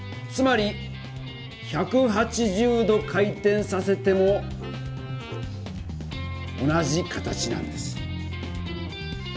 つまり１８０度回転させても同じ形なんです。